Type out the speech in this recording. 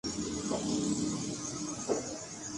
کہ جوابا افغانستان ان عناصر کے لیے پناہ گاہ بن چکا